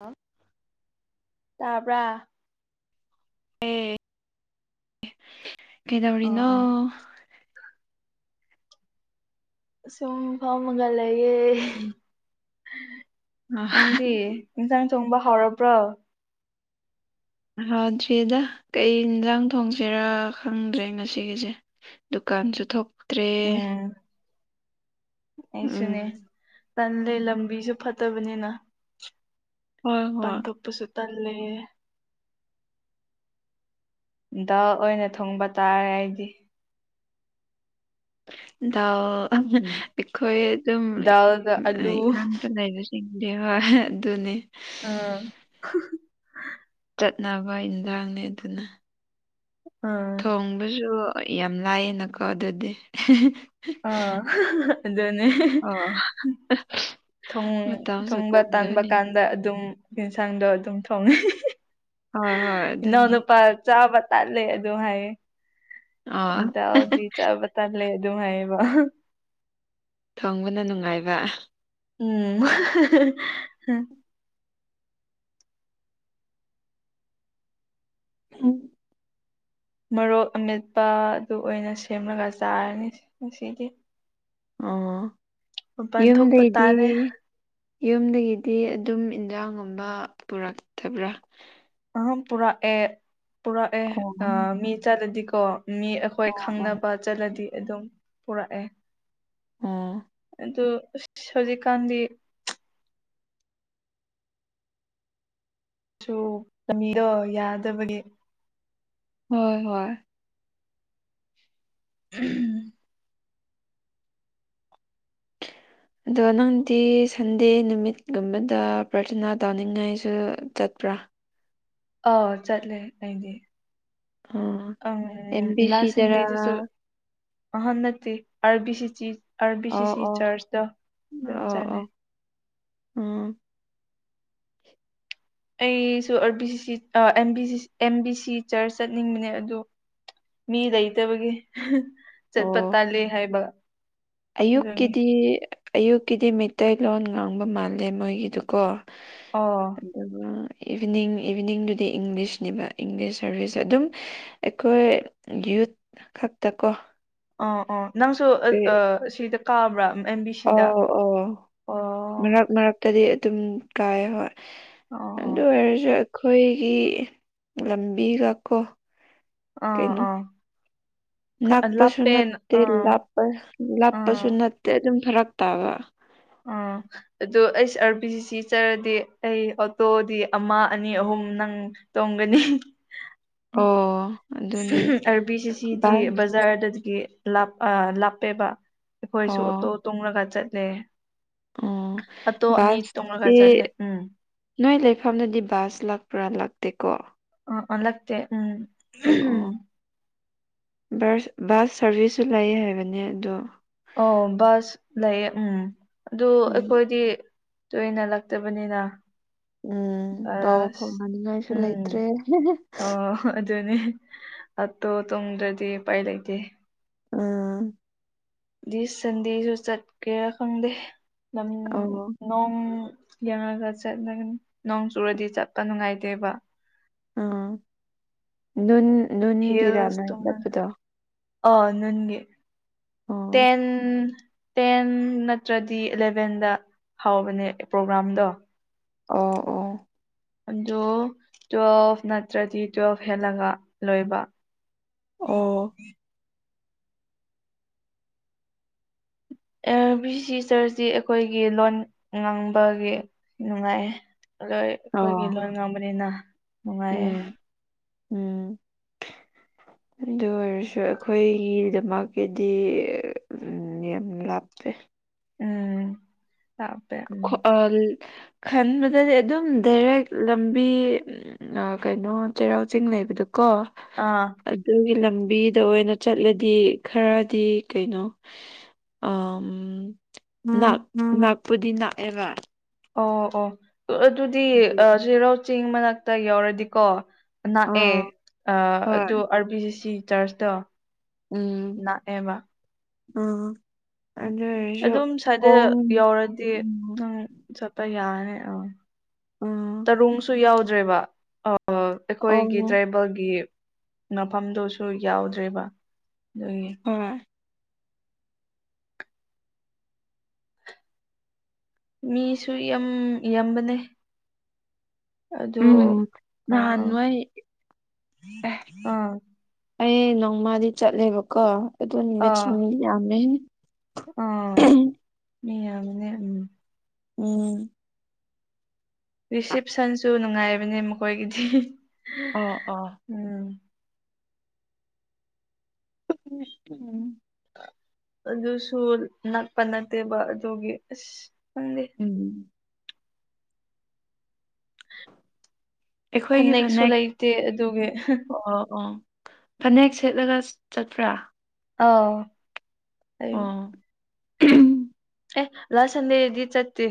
ꯍꯥ ꯇꯥꯕꯔ ꯇꯥꯏꯌꯦ ꯑꯥ ꯀꯩꯗꯧꯔꯤꯅꯣ ꯑꯥ ꯁꯨꯝ ꯐꯝꯃꯒ ꯂꯩꯌꯦ ꯅꯪꯗꯤ ꯏꯟꯁꯥꯡ ꯆꯣꯡꯕ ꯍꯥꯎꯔꯕ꯭ꯔꯣ ꯊꯣꯛꯗ꯭ꯔꯤꯗ ꯀꯩ ꯌꯦꯟꯖꯥꯡ ꯊꯣꯡꯁꯤꯔꯥ ꯈꯪꯗ꯭ꯔꯦ ꯉꯁꯤꯒꯤꯁꯦ ꯗꯨꯀꯥꯟꯁꯨ ꯊꯣꯛꯇ꯭ꯔꯦ ꯎꯝ ꯎꯝ ꯑꯩꯁꯨꯅꯦ ꯇꯥꯜꯂꯦ ꯂꯝꯕꯤꯁꯨ ꯐꯠꯇꯕꯅꯤꯅ ꯍꯣꯏ ꯃꯄꯥꯟ ꯍꯣꯏ ꯊꯣꯛꯄꯁꯨ ꯇꯜꯂꯦ ꯗꯥꯜ ꯑꯣꯏꯅ ꯊꯣꯡꯕ ꯇꯥꯔꯦ ꯑꯩꯗꯤ ꯗꯥꯜ ꯑꯈꯣꯏ ꯑꯗꯨꯝ ꯗꯥꯜꯒ ꯑꯂꯨ ꯏꯗꯤ ꯍꯣꯢ ꯑꯗꯨꯅꯤ ꯑꯥ ꯆꯠꯅꯕ ꯏꯟꯖꯥꯡꯅꯦ ꯑꯗꯨꯅ ꯑꯥ ꯊꯣꯡꯕꯁꯨ ꯌꯥꯝ ꯂꯥꯏꯌꯦꯅꯀꯣ ꯑꯗꯨꯗꯤ ꯑ ꯑꯗꯨꯅꯦ ꯑꯣ ꯃꯇꯝꯁꯨ ꯊꯣꯡꯕ ꯇꯥꯟꯕ ꯆꯪꯗꯕꯅꯤꯅ ꯀꯥꯟꯗ ꯑꯗꯨꯝ ꯌꯦꯟꯁꯥꯡꯗꯣ ꯑꯗꯨꯝ ꯊꯣꯡꯉꯦ ꯍꯣꯏ ꯍꯣꯏ ꯑꯗꯨꯅꯤ ꯏꯅꯥꯎꯅꯨꯄꯥ ꯆꯥꯕ ꯇꯥꯜꯂꯦ ꯑꯗꯨꯝ ꯍꯥꯏꯌꯦ ꯑ ꯗꯥꯜꯗꯤ ꯆꯥꯕ ꯇꯜꯂꯦ ꯑꯗꯨꯝ ꯍꯥꯏꯌꯦꯕ ꯊꯣꯡꯕꯅ ꯅꯨꯡꯉꯥꯏꯕ ꯎꯝ ꯍꯥ ꯍꯥ ꯎꯝ ꯃꯣꯔꯣꯛ ꯑꯃꯦꯠꯄ ꯑꯗꯨ ꯑꯣꯏꯅ ꯁꯦꯝꯂꯒ ꯆꯥꯔꯅꯤ ꯉꯁꯤꯗꯤ ꯑꯣ ꯃꯄꯥꯟ ꯊꯣꯛꯄ ꯌꯨꯝꯗꯩꯗꯤ ꯇꯥꯜꯂꯦ ꯌꯨꯝꯗꯩꯒꯤꯗꯤ ꯑꯗꯨꯝ ꯏꯟꯖꯥꯡꯒꯨꯝꯕ ꯄꯨꯔꯛꯇꯕ꯭ꯔꯥ ꯑꯥ ꯄꯨꯔꯛꯑꯦ ꯄꯨꯔꯛꯑꯦ ꯑꯣ ꯑ ꯃꯤ ꯆꯠꯂꯗꯤꯀꯣ ꯃꯤ ꯍꯣꯏ ꯑꯣ ꯑꯣ ꯈꯪꯅꯕ ꯆꯠꯂꯗꯤ ꯑꯗꯨꯝ ꯄꯨꯔꯛꯑꯦ ꯑꯣ ꯑꯗꯨ ꯁꯣꯖꯤꯛꯀꯥꯟꯗꯤ ꯁꯨ ꯂꯥꯝꯕꯤꯗꯣ ꯌꯥꯗꯕꯒꯤ ꯍꯣꯏ ꯍꯣꯏ ꯎꯝ [inaudible] [unintelligible] ꯑꯗꯣ ꯅꯪꯗꯤ ꯁꯟꯗꯦ ꯅꯨꯃꯤꯠꯀꯨꯝꯕꯗ ꯄ꯭ꯔꯊꯥꯅꯥ ꯇꯧꯅꯤꯡꯉꯥꯏꯁꯨ ꯆꯠꯄ꯭ꯔꯥ ꯑꯥꯎ ꯆꯠꯂꯦ ꯑꯩꯗꯤ ꯑꯥ ꯑꯪ ꯑꯦꯝ ꯕꯤ ꯂꯥꯁ ꯁꯤꯗꯔꯥ ꯁꯥꯟꯗꯦꯗꯁꯨ ꯑꯍꯥ ꯅꯠꯇꯦ R B C R B ꯑꯣ ꯁꯤꯁꯤ ꯑꯣ ꯆꯥꯔꯆꯇ ꯑꯗꯨꯝ ꯑꯣ ꯑꯣ ꯆꯥꯠꯅꯩ ꯎꯝ ꯑꯩꯁꯨ R B C M B C ꯆꯔꯆ ꯆꯠꯅꯤꯡꯕꯅꯦ ꯑꯗꯣ ꯃꯤ ꯂꯩꯇꯕꯒꯤ ꯆꯠꯄ ꯑꯣ ꯇꯜꯂꯦ ꯍꯥꯏꯕ ꯑꯗꯨꯒꯤ ꯒꯤ ꯑꯌꯨꯛꯀꯤꯗꯤ ꯃꯩꯇꯩꯂꯣꯟ ꯉꯥꯡꯕ ꯃꯥꯜꯂꯦ ꯃꯣꯏꯒꯤꯗꯨꯀꯣ ꯑꯣ ꯑꯗꯨꯒ ꯏꯚꯤꯅꯤꯡ ꯏꯚꯤꯅꯤꯡꯗꯨꯗꯤ ꯏꯪꯂꯤꯁꯅꯦꯕ ꯏꯪꯂꯤꯁ ꯁꯥꯔꯚꯤꯁ ꯑꯗꯨꯝ ꯑꯩꯈꯣꯏ ꯌꯨꯠ ꯈꯛꯇ ꯀꯣ ꯑꯣ ꯑꯣ ꯅꯪꯁꯨ ꯁꯤꯗ ꯀꯥꯕ꯭ꯔꯥ ꯑꯦꯝ ꯕꯤ ꯑ ꯁꯤꯗ ꯑꯣ ꯑꯣ ꯃꯔꯛ ꯃꯔꯛꯇꯗꯤ ꯑꯗꯨꯝ ꯀꯥꯏ ꯍꯣꯏ ꯑꯣ ꯑꯣ ꯑꯗꯨ ꯑꯣꯏꯔꯁꯨ ꯑꯩꯈꯣꯏꯒꯤ ꯂꯝꯕꯤꯒꯀꯣ ꯑꯥ ꯑꯥ ꯈꯔ ꯅꯛꯄꯁꯨ ꯂꯥꯞꯄꯦꯟ ꯅꯠꯇꯦ ꯑꯥ ꯂꯥꯞꯄꯁꯨ ꯑꯥ ꯅꯠꯇꯦ ꯑꯗꯨꯝ ꯐꯔꯛ ꯇꯥꯕ ꯑꯥ ꯑꯗꯣ ꯑꯩꯁ ꯑꯥꯔꯕꯤꯖꯤ ꯁꯤ ꯆꯠꯔꯗꯤ ꯑꯩ ꯑꯣꯇꯣꯗꯤ ꯑꯃ ꯑꯅꯤ ꯑꯍꯨꯝ ꯅꯪ ꯇꯣꯡꯒꯅꯤ ꯑꯣ ꯑꯗꯨꯅꯦ ꯑꯥꯔꯕꯤꯁꯤ ꯁꯤꯗꯤ ꯕꯁ ꯕꯖꯥꯔꯗꯒꯤ ꯂꯥꯞ ꯂꯥꯞꯄꯦꯕ ꯑꯩꯈꯣꯏꯁꯨ ꯑꯣꯇꯣ ꯑꯣ ꯇꯨꯡꯂꯒ ꯆꯠꯂꯦ ꯑꯣ ꯑꯇꯣ ꯑꯅꯤ ꯇꯣꯡꯉꯒꯥ ꯕꯁꯇꯤ ꯆꯇꯂꯦ ꯅꯣꯏ ꯂꯩꯐꯝꯗꯗꯤ ꯕꯥꯁ ꯂꯥꯛꯄ꯭ꯔꯥ ꯂꯥꯛꯇꯦꯀꯣ ꯑ ꯑꯣꯂꯛꯇꯦ ꯎꯝ ꯎꯝ ꯑꯣ ꯕꯁ ꯕꯁ ꯁꯔꯚꯤꯁꯁꯨ ꯂꯩꯌꯦ ꯍꯥꯏꯕꯅꯦ ꯑꯗꯣ ꯑ ꯕꯁ ꯂꯩꯌꯦ ꯎꯝ ꯑꯗꯨ ꯎꯝ ꯑꯩꯈꯣꯏꯗꯤ ꯇꯣꯏꯅ ꯂꯛꯇꯕꯅꯤꯅ ꯎꯝ ꯄꯥꯎ ꯐꯥꯎ ꯅꯤꯡꯉꯥꯏꯁꯨ ꯂꯩꯇ꯭ꯔꯦ ꯑꯗꯨꯅꯤ ꯑꯇꯣ ꯇꯣꯡꯗ꯭ꯔꯗꯤ ꯎꯄꯥꯏ ꯂꯩꯇꯦ ꯎꯝ ꯗꯤꯁ ꯁꯟꯗꯦꯁꯨ ꯆꯠꯀꯦꯔꯥ ꯈꯪꯗꯦ ꯑꯣ ꯅꯣꯡ ꯌꯦꯡꯉꯒ ꯆꯠꯂꯒ ꯅꯣꯡ ꯆꯨꯔꯗꯤ ꯆꯠꯄ ꯅꯨꯡꯉꯥꯏꯇꯦꯕ ꯎꯥ ꯅꯨꯟ ꯍꯤꯜꯁ ꯅꯨꯡꯟꯒꯤꯔꯥꯅꯥꯏ ꯇꯣꯡꯅ ꯆꯠꯄꯗꯣ ꯑꯥ ꯅꯨꯟ ꯒꯤ ꯑꯣ ꯇꯦꯟ ꯇꯦꯟ ꯅꯠꯇ꯭ꯔꯗꯤ ꯑꯦꯂꯚꯦꯟꯗ ꯍꯥꯎꯕꯅꯦ ꯄ꯭ꯔꯣꯒ꯭ꯔꯥꯝꯗꯣ ꯑꯣ ꯑꯣ ꯑꯗꯨ ꯇꯨꯋꯦꯜꯐ ꯅꯠꯇ꯭ꯔꯗꯤ ꯇꯨꯋꯦꯜꯐ ꯍꯦꯜꯂꯒ ꯂꯣꯏꯕ ꯑꯣ ꯑ ꯑꯥꯔ ꯕꯤ ꯁꯤ ꯆꯔꯆꯁꯤ ꯑꯩꯈꯣꯏꯒꯤ ꯂꯣꯟ ꯉꯥꯡꯕꯒꯤ ꯅꯨꯡꯉꯥꯏꯌꯦ ꯑꯗꯣꯏ ꯑꯩꯈꯣꯏꯒꯤ ꯂꯣꯟ ꯑꯣ ꯉꯥꯡꯕꯅꯤꯅ ꯅꯨꯡꯉꯥꯏꯌꯦꯦ ꯎꯝ ꯎꯝ ꯑꯗꯨ ꯑꯣꯏꯔꯁꯨ ꯑꯩꯈꯣꯏꯒꯤꯗꯃꯛꯇꯥꯗꯤ ꯎꯝ ꯌꯥꯝ ꯂꯞꯄꯦ ꯎꯝ ꯂꯥꯞꯄꯦ ꯎꯝ ꯈꯟꯕꯗꯗꯤ ꯑꯗꯨꯝ ꯗꯥꯏꯔꯦꯛ ꯂꯝꯕꯤ ꯀꯩꯅꯣ ꯆꯩꯔꯥꯎ ꯆꯤꯡ ꯂꯩꯕꯗꯨꯀꯣ ꯑꯥ ꯑꯗꯨꯒꯤ ꯂꯝꯕꯤꯗ ꯑꯣꯏꯅ ꯆꯠꯂꯗꯤ ꯈꯔꯗꯤ ꯀꯩꯅꯣ ꯑ ꯥꯅꯥꯛꯄꯨꯗꯤ ꯅꯛꯑꯕꯥ ꯑꯣ ꯑꯣ ꯑꯗꯨꯗꯤ ꯑꯗꯨ ꯆꯩꯔꯥꯎ ꯆꯤꯡ ꯃꯅꯥꯛꯇ ꯌꯥꯎꯔꯗꯤꯀꯣ ꯂꯥꯛꯑꯦ ꯑꯥ ꯍꯣꯏ ꯑꯗꯨ ꯑꯥꯔꯕꯤ ꯖꯤ ꯁꯤ ꯆꯔꯆꯇꯣ ꯎꯝ ꯅꯛꯑꯦꯕ ꯑ ꯑꯗꯨꯑꫭꯏ ꯑꯗꯨꯝ ꯁꯗꯦꯗ ꯌꯧꯔꯗꯤ ꯎꯝ ꯅꯪ ꯆꯠꯄ ꯌꯥꯅꯤ ꯑ [unintelligible] ꯇꯔꯨꯡꯁꯨ ꯌꯥꯎꯗ꯭ꯔꯦꯕ ꯑꯩꯈꯣꯏꯒꯤ ꯑꯣ ꯇ꯭ꯔꯥꯏꯕꯦꯜꯒꯤ ꯃꯐꯝꯗꯨꯁꯨ ꯌꯥꯎꯗ꯭ꯔꯦꯕ ꯑꯗꯨꯒꯤ ꯍꯣꯏ ꯃꯤꯁꯨ ꯌꯥꯝ ꯌꯥꯝꯕꯅꯦ ꯑꯗꯨ ꯎꯝ ꯑꯥ ꯅꯍꯥꯟꯋꯥꯏ ꯑꯦ ꯑꯥ ꯑꯩ ꯅꯣꯡꯃꯗꯤ ꯆꯠꯂꯦꯕꯀꯣ ꯑꯗꯨ ꯅꯨꯃꯤꯠꯁꯤ ꯑꯥ ꯃꯤ ꯌꯥꯝꯃꯦꯍꯦ ꯑꯥ ꯃꯤ ꯌꯥꯝ ꯕꯥꯅꯦ ꯎꯝ ꯔꯤꯁꯞꯁꯟꯁꯨ ꯅꯨꯡꯉꯥꯏꯕꯅꯦ ꯃꯈꯣꯏꯒꯤꯗꯤ ꯑꯣ ꯑꯣ ꯎꯝ ꯎ ꯑꯗꯨꯁꯨ ꯅꯛꯄ ꯅꯠꯇꯦꯕ ꯑꯗꯨꯒꯤ ꯑꯁ ꯈꯪꯗꯦ ꯎꯝ ꯑꯩꯈꯣꯏꯒꯤ ꯐꯅꯦꯛꯁꯨ ꯐꯅꯦꯛ ꯂꯩꯇꯦ ꯑꯗꯨꯒꯤ ꯑꯣ ꯑꯣ ꯐꯅꯦꯛ ꯁꯦꯠꯂꯒ ꯆꯠꯄ꯭ꯔ ꯑꯥꯎ ꯑꯩ ꯑꫭ ꯑꯦ ꯂꯥꯁ ꯁꯟꯗꯦꯗꯤ ꯆꯠꯇꯦ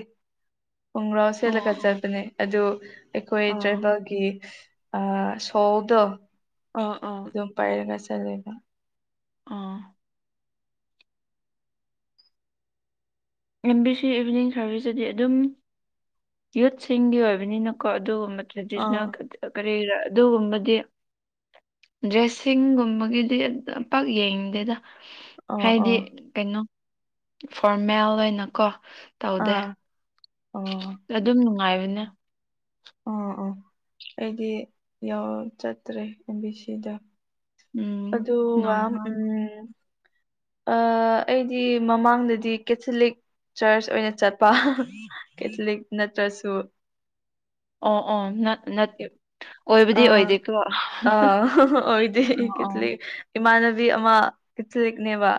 ꯈꫭꯡꯒ꯭ꯔꯥꯎ ꯑꯣ ꯁꯦꯠꯂꯒ ꯑꯣ ꯆꯠꯄꯅꯦ ꯑꯗꯨ ꯑꯩꯈꯣꯏ ꯑꯣ ꯇ꯭ꯔꯥꯏꯕꯦꯜꯒꯤ ꯑ ꯁꯣꯜꯗꯣ ꯑꯥ ꯑꫭ ꯑꯗꯨꯝ ꯄꯥꯏꯔꯒ ꯆꯂꯦꯕ ꯑꯥ ꯂꯝꯕꯤ ꯁꯤ ꯏꯚꯤꯅꯤꯡ ꯁꯥꫪꯚꯤꯁꯇꯗꯤ ꯑꯗꯨꯝ ꯌꯨꯠꯁꯤꯡꯒꯤ ꯑꯣꯏꯕꯅꯤꯅꯀꯣ ꯑꯗꯨꯒꯨꯝꯕ ꯑꯥ [unintelligible] ꯀꯔꯤꯔ ꯑꯗꯨꯒꯨꯝꯕꯗꯤ ꯗ꯭ꯔꯦꯁꯁꯤꯡꯒꯨꯝꯕꯒꯤꯗꯤ ꯄꯥꯛ ꯌꯦꯡꯗꯦꯗ ꯑꯣ ꯍꯥꯏꯗꯤ ꯑꯣ ꯀꯩꯅꯣ ꯐꯣꫪꯃꯦꯜ ꯑꯣꯏꯅꯀꯣ ꯇꯧꯗꯦ ꯑꯥ ꯑꯣ ꯑꯗꯨꯝ ꯅꯨꯡꯉꯥꯏꯕꯅꯦ ꯑꯥ ꯑꯥ ꯑꯩꯗꯤ ꯌꯥꯎ ꯆꯠꯇ꯭ꯔꯦ ꯑꯦꯝ ꯕꯤ ꯁꯤꯗ ꯎꯝ ꯑꯗꯨ ꯋꯥꯝ ꯅꯣꯡꯃ ꯎꯝ ꯑ ꯑꯩꯗꯤ ꯃꯃꯥꯡꯗꯗꯤ ꯀꯦꯊꯂꯤꯛ ꯆꯔꯆ ꯑꯣꯏꯅ ꯆꯠꯄ ꯀꯦꯊꯂꯤꯛ ꯅꯠꯇ꯭ꯔꯁꯨ ꯑꯣ ꯑꯣ ꯅꯠ ꯅꯠ ꯑꯣꯏꯕꯗꯤ ꯑꯣꯏꯗꯦꯀꯣ ꯑꯣ [unintelligible] ꯑꯣꯏꯗꫭꯏ ꯑꯣ ꯀꯦꯊꯂꯤꯛ ꯏꯃꯥꯟꯅꯕꯤ ꯑꯃ ꯀꯦꯊꯂꯤꯛꯅꯦꯕ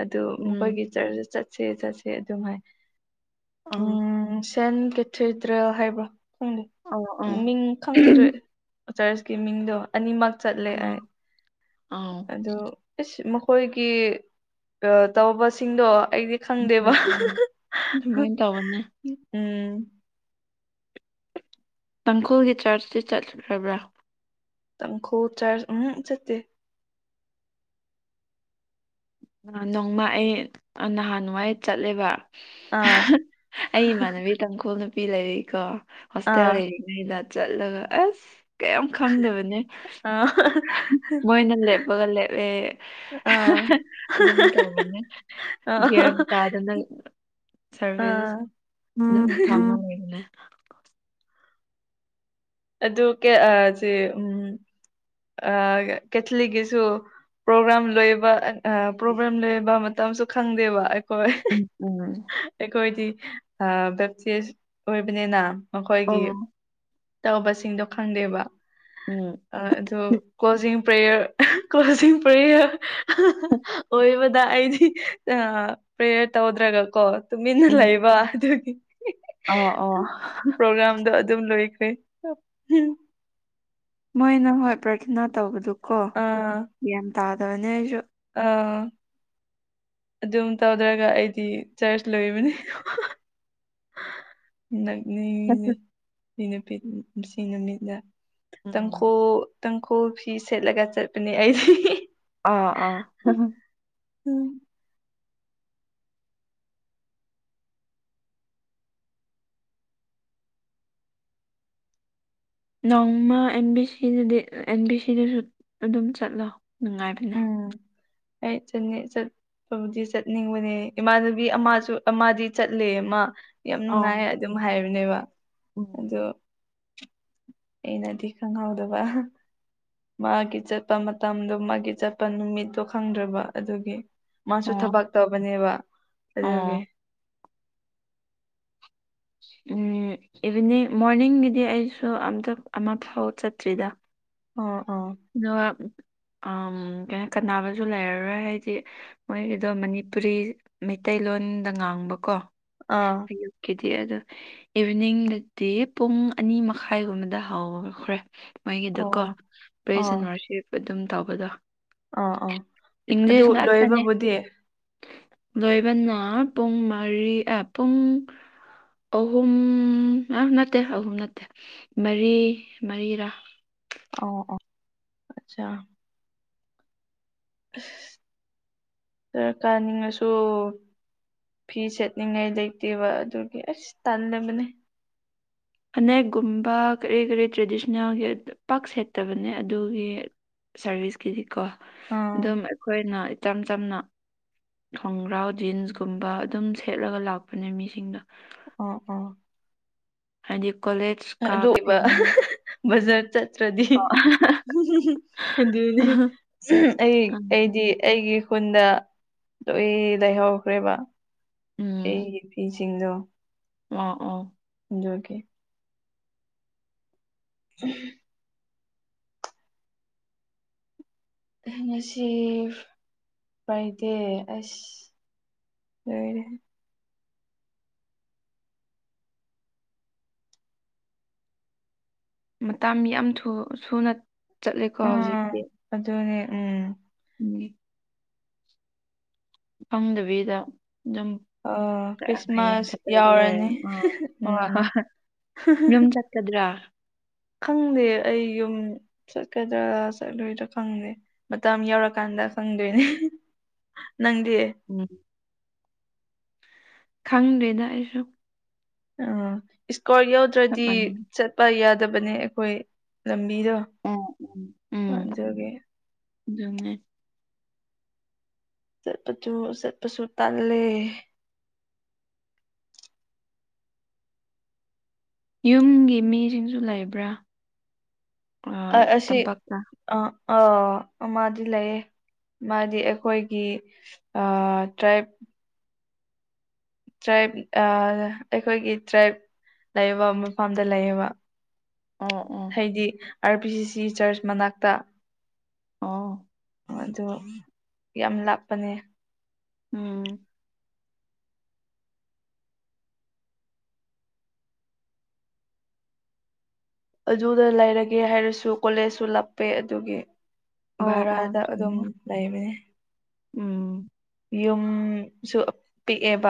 ꯑꯗꯨ ꯎꯝ ꯃꯈꯣꯏꯒꯤ ꯆꯔꯆ ꯆꯠ ꯁꯦ ꯆꯠꯁꯦ ꯑꯗꯨꯝ ꯍꯥꯏ ꯑ ꯎꯝ ꯁꯦꯟ ꯀꯦꯊꯤꯗ꯭ꯔ ꯍꯥꯏꯕ꯭ꯔ ꯈꯪꯗꯦ ꯑꯣ ꯑꯣ ꯃꯤꯡ ꯈꯪꯗ꯭ꯔꯦ ꯆꯔꯆꯀꯤ ꯃꯤꯡꯗꯣ ꯑꯅꯤꯃꯛ ꯆꯠꯂꯦ ꯑꯣ ꯑꯩ ꯑꯥꯎ ꯑꯗꯨ ꯑꯁ ꯃꯈꯣꯏꯒꯤ ꯑ ꯇꯧꯕꯁꯤꯡꯗꯣ ꯑꯩꯗꯤ ꯎꯝ ꯈꯪꯗꯦꯕ ꯎꯝ ꯁꯃꯥꯏꯅ ꯇꯧꯕꯅꯦ ꯎꯝ ꯇꯥꯡꯈꯨꯜꯒꯤ ꯆꯔꯆꯇꯤ ꯆꯠꯂꯈꯕ꯭ꯔ ꯇꯥꯡꯈꯨꯜ ꯆꯔꯆ ꯎꯝꯍꯝ ꯆꯠꯇꯦ ꯅꯣꯡꯃ ꯑꯩ ꯅꯍꯥꯟꯋꯥꯏ ꯆꯠꯂꯦꯕ ꯑꯥ ꯑꯩ ꯏꯃꯥꯟꯅꯕꯤ ꯇꯥꯡꯈꯨꯜꯅꯨ ꯄꯤ ꯂꯩꯔꯩꯀꯣ ꯍꯣꯁꯇꯦꯜ ꯑꯥ ꯂꯩꯔꯤꯉꯩꯗ ꯆꯠꯂꯒ ꯑꯁ ꯀꯩꯝ ꯈꯪꯗꯕꯅꯦ ꯑꯥ ꯃꯣꯏꯅ ꯂꯦꯞꯄꯒ ꯂꯦꯞꯑꯦ ꯑꯥ ꯑꯗꯨꯝ ꯇꯧꯗꯦ ꯑꯥ ꯒꯤꯌꯟ ꯇꯥꯗ ꯅꯪ ꯁꯔꯚꯤꯁ ꯑꯥ ꯑꯗꯨꯝ ꯐꯪꯉ ꯂꯩꯕꯅꯦ ꯑꯗꯨ ꯀꯦꯠ ꯑꯥ ꯁꯦ ꯎꯝ ꯑ ꯀꯦꯊꯂꯤꯒꯤꯁꯨ ꯄ꯭ꯔꯣꯒ꯭ꯔꯥꯝ ꯂꯣꯏꯕ ꯄ꯭ꯔꯣꯒ꯭ꯔꯥꯝ ꯂꯣꯏꯕ ꯃꯇꯝꯁꯨ ꯈꯪꯗꯦꯕ ꯑꯩꯈꯣꯏ ꯎꯝ ꯎꯝ ꯑꯩꯈꯣꯏꯗꯤ ꯕꯦꯞꯇꯤꯁ ꯑꯣꯏꯕꯅꯤꯅ ꯃꯈꯣꯏꯒꯤ ꯑꯣ ꯇꯧꯕꯁꯤꯡꯗꯣ ꯈꯪꯗꯦꯕ ꯎꯝ ꯑꯗꯨ ꯀꯣꯖꯤꯡ ꯄ꯭ꯔꯦꯌꫪ ꯀ꯭ꯂꫭꯁꯤꯡ ꯄ꯭ꯔꯦꯌꫪ ꯑꯣꯏꯕꯗ ꯑꯩꯗꯤ ꯑ ꯄ꯭ꯔꯦꯌꫪ ꯇꯧꯗ꯭ꯔꯒ ꯀꯣ ꯇꯨꯃꯤꯟꯅ ꯎꯝ ꯂꯩꯕ ꯑꯗꯨꯒꯤ ꯑꯣ ꯑꯣ ꯄ꯭ꯔꯣꯒ꯭ꯔꯥꯝꯗꯣ ꯑꯗꯨꯝ ꯂꯣꯏꯈ꯭ꯔꯦ ꯃꯣꯏꯅ ꯍꯣꯏ ꯄ꯭ꯔꯊꯅꯥ ꯇꯧꯕꯗꯨꯀꯣ ꯑꯥ ꯒ꯭ꯌꯥꯟ ꯇꯥꯗꯕꯅꯦ ꯑꯩꯁꯨ ꯑꯥ ꯑꯗꯨꯝ ꯇꯧꯗ꯭ꯔꯒ ꯑꯩꯗꯤ ꯆꯔꯆ ꯂꯣꯏꯕꯅꯤ ꯅꯛꯅꯤ ꯅꯨꯄꯤ ꯁꯤ ꯅꯨꯃꯤꯠꯅ ꯎꯝ ꯇꯥꯡꯈꯣꯜ ꯇꯥꯡꯈꯨꯜ ꯐꯤ ꯁꯦꯠꯂꯒ ꯆꯠꯄꯅꯦ ꯑꯩꯗꯤ ꯑꯥ ꯑꯥ ꯎꯝ ꯅꯣꯡꯃ ꯑꯦꯟ ꯕꯤ ꯁꯤꯗꯗꯤ ꯑꯦꯟ ꯕꯤ ꯁꯤꯗꯁꯨ ꯑꯗꯨꯝ ꯆꯠꯂꯣ ꯅꯨꯡꯉꯥꯏꯕꯅꯦ ꯎꯝ ꯑꯩ ꯆꯪ ꯆꯠ ꯕꯨꯗꯤ ꯆꯠꯅꯤꯡꯕꯅꯦ ꯏꯃꯥꯟꯅꯕꯤ ꯑꯃꯁꯨ ꯑꯃꯗꯤ ꯆꯠꯂꯦ ꯑꯃ ꯌꯥꯝ ꯑꯥ ꯅꯨꯡꯉꯥꯏ ꯑꯗꯨꯝ ꯍꯥꯏꯕꯅꯦꯕ ꯎꯝ ꯑꯣ ꯑꯩꯅꯗꯤ ꯈꯪꯍꯥꯎꯗꯕ ꯃꯥꯒꯤ ꯆꯠꯄ ꯃꯇꯝꯗꯣ ꯃꯥꯒꯤ ꯆꯠꯄ ꯅꯨꯃꯤꯠꯇꯣ ꯈꯪꯗ꯭ꯔꯕ ꯑꯗꯨꯒꯤ ꯃꯥꯁꯨ ꯑꯣ ꯊꯕꯛ ꯇꯧꯕꯅꯦꯕ ꯑꯗꯨꯒꯤ ꯑꯣ ꯏꯚꯤꯅꯤꯡ ꯃꯣꯔꯅꯤꯡꯒꯤꯗꯤ ꯑꯩꯁꯨ ꯑꯝꯇ ꯑꯃꯐꯥꯎ ꯆꯠꯇ꯭ꯔꯤꯗ ꯑ ꯑ ꯑꯗꯨꯒ ꯀ ꯀꯥꯟꯕꯁꯨ ꯂꯩꯔꯔꯣꯏ ꯍꯥꯏꯗꯤ ꯃꯣꯏꯒꯤꯗꯣ ꯃꯅꯤꯄꯨꯔꯤ ꯃꯩꯇꯩꯂꯣꯟꯗ ꯉꯥꯡꯕꯀꯣ ꯑꯥ ꯍꯡ ꯀꯗꯤ ꯑ ꯑꯗꯨ ꯏꯚꯤꯅꯤꯡꯗꯗꯤ ꯄꯨꯡ ꯑꯅꯤ ꯃꯈꯥꯏꯒꯨꯝꯕꯗ ꯍꯧꯈ꯭ꯔꯦ ꯃꯣꯏꯒꯤꯗꯀꯣ ꯑꯣ ꯑꯥ ꯄꯕ꯭ꯔꯦꯁꯟꯔꯁꯤꯞ ꯑꯗꯨꯝ ꯇꯧꯕꯗꯣ ꯑꯥ ꯑꯥ ꯑꯗꯨ ꯏꯪꯂꯤꯁ ꯉꯥꯛꯇꯅꯦ ꯂꯣꯏꯕꯕꯨꯗꯤ ꯂꯣꯏꯕꯅ ꯄꯨꯡ ꯃꯔꯤ ꯄꯨꯡ ꯑꯍꯨꯝ ꯑ ꯅꯠꯇꯦ ꯑꯍꯨꯝ ꯅꯠꯇꯦ ꯃꯔꯤ ꯃꯔꯤꯔꯥ ꯑꯣ ꯑꯣ ꯑꯆꯥ ꯗꯔ ꯀꯥꯅꯤꯡꯉꯁꯨ ꯐꯤ ꯁꯦꯠꯅꯤꯡꯉꯥꯏ ꯂꯩꯇꯦꯕ ꯑꯗꯨꯒꯤ ꯑꯁ ꯇꯜꯗꯕꯅꯦ ꯑꯅꯦꯛꯒꯨꯝꯕ ꯀꯔꯤ ꯀꯔꯤ ꯇ꯭ꯔꯦꯗꯤꯁꯅꯦꯜꯒꯤ ꯄꯥꯛ ꯁꯦꯠꯇꯕꯅꯦ ꯑꯗꯨꯒꯤ ꯁꯥꯔꯚꯤꯁꯀꯤꯗꯤꯀꯣ ꯑꯥ ꯑꯗꯨꯝ ꯑꯩꯈꯣꯏꯅ ꯏꯆꯝ ꯆꯝꯅ ꯈꯣꯡꯒ꯭ꯔꯥꯎ ꯖꯤꯟꯁꯀꯨꯝꯕ ꯑꯗꯨꯝ ꯁꯦꯠꯂꯒ ꯂꯥꯛꯄꯅꯦ ꯃꯤꯁꯤꯡꯗꫭ ꯑꯣ ꯑꯣ ꯑꯗꯤ ꯀꯣꯂꯦꯠ ꯑꯗꯨ ꯑꯣꯏꯕ ꯕꯖꯥꯔ ꯆꯠꯇ꯭ꯔꯗꯤ ꯑꯗꯨꯅꯤ ꯑꯩ ꯑꯩꯗꯤ ꯑꯩꯒꯤ ꯈꯨꯟꯗ ꯑꯗꯣ ꯑꯩ ꯂꯩꯍꯧꯈ꯭ꯔꯦꯕ ꯑꯩꯒꯤ ꯐꯤꯁꯤꯡꯗꯣ ꯑꫭ ꯑꯣ ꯑꯗꯨꯒꯤ ꯎꯝ ꯉꯁꯤ ꯐ꯭ꯔꯥꯏꯗꯦ ꯑꯁ ꯂꯩꯌꯦ ꯃꯇꯝ ꯌꯥꯝ ꯊꯨꯅ ꯆꯠꯂꯦꯀꯣ ꯎꯝ ꯍꯧꯖꯤꯛꯇꯤ ꯑꯗꯨꯅꯦ ꯎꯝ ꯎꯝ ꯐꯪꯗꯕꯤꯗ ꯑꯗꯨꯝ ꯑ ꯍꯌꯦꯡ ꯈ꯭ꯔꯤꯁꯃꯥꯁ ꯈꯛꯇꯗꯤ ꯑꯣꯏꯔꯦ ꯌꯥꯎꯔꯅꯤ ꯑ ꯍꯣꯏ ꯎꯝ ꯍꯣꯏ ꯌꯨꯝꯆꯠ ꯆꯗ꯭ꯔꯥ ꯈꯪꯗꯦ ꯑꯩ ꯌꯨꯝ ꯆꯠꯀꯗ꯭ꯔꯥ ꯆꯠꯂꯣꯏꯗ꯭ꯔꯥ ꯈꯪꯗꯦ ꯃꯇꯝ ꯌꯧꯔꯀꯥꯟꯗ ꯈꯪꯗꯣꯏꯅꯦ ꯅꯪꯗꯤ ꯎꯝ ꯈꯪꯗ꯭ꯔꯦꯗ ꯑꯩꯁꯨ ꯑꯥ ꯏꯁꯀꯣꯔꯠ ꯆꯞ ꯌꯥꯎꯗ꯭ꯔꯗꯤ ꯃꯥꯟꯅꯩ ꯆꯠꯄ ꯌꯥꯗꯕꯅꯦ ꯑꯩꯈꯣꯏ ꯂꯝꯕꯤꯗꯣ ꯎꯝ ꯎꯝ ꯎꯝ ꯐꯥꯖꯒꯦ ꯑꯗꯨꯅꯦ ꯁꯠꯄꯁꯨ ꯁꯠꯄꯁꯨ ꯇꯜꯂꯦ ꯌꯨꯝꯒꯤ ꯃꯤꯁꯤꯡꯁꯨ ꯂꯩꯕ꯭ꯔꯥ ꯑꯥ ꯑꯁꯤ ꯇꯝꯄꯥꯛꯇ ꯑ ꯑ ꯑ ꯃꯥꯃꯥ ꯗꯤ ꯂꯩꯌꯦ ꯃꯥꯗꯤ ꯑꯩꯈꯣꯏꯒꯤ ꯇ꯭ꯔꯥꯏꯞ ꯇ꯭ꯔꯥꯏꯕ ꯑꯩꯈꯣꯏꯒꯤ ꯇ꯭ꯔꯥꯏꯕ ꯂꯩꯕ ꯃꯐꯝꯗ ꯂꯩꯌꯦꯕ ꯑꯣ ꯑꯣ ꯍꯥꯏꯗꯤ ꯑꯥꯔ ꯄꯤ ꯁꯤ ꯁꯤ ꯆꯔꯆ ꯃꯅꯥꯛꯇ ꯑꯣ ꯑꯗꯨ ꯌꯥꯝ ꯂꯥꯞꯄꯅꯦ ꯎꯝ ꯑꯗꯨꯗ ꯂꯩꯔꯒꯦ ꯍꯥꯏꯔꯁꯨ ꯀꯣꯂꯦꯖꯁꯨ ꯂꯞꯄꯦ ꯑꯗꯨꯒꯤ ꯑꯣ ꯑꯣ ꯚꯥꯔꯥꯗ ꯑꯗꯨꯝ ꯆꯨꯝꯃꯦ ꯂꯩꯕꯅꯦ ꯎꯝ ꯌꯨꯝꯁꯨ ꯄꯤꯛꯑꯦꯕ